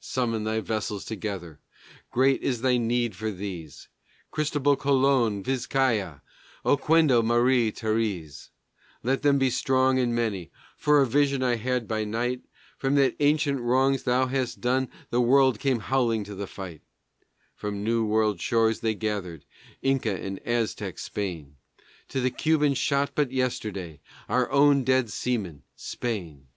Summon thy vessels together! great is thy need for these! Cristobal Colon, Vizcaya, Oquendo, Marie Therese. Let them be strong and many, for a vision I had by night, That the ancient wrongs thou hast done the world came howling to the fight; From the New World shores they gathered, Inca and Aztec, slain, To the Cuban shot but yesterday, and our own dead seamen, Spain!